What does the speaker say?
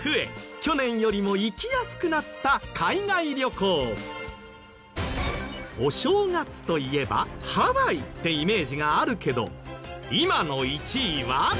去年よりも行きやすくなったお正月といえばハワイってイメージがあるけど今の１位は？